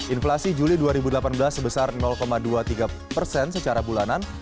inflasi juli dua ribu delapan belas sebesar dua puluh tiga persen secara bulanan